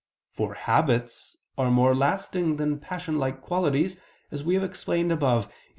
For habits are more lasting than passion like qualities, as we have explained above (Q.